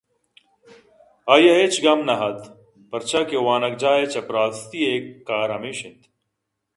آئی ءَ ہچ گم نہ اَت پرچا کہ وانگجاہ ءِ چپراسیءِ کار ہمیش اِنت